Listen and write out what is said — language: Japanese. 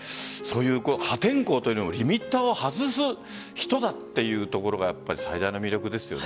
破天荒というリミッターを外す人だっていうところが最大の魅力ですよね。